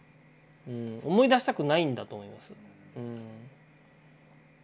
思い出したくないんだと思います。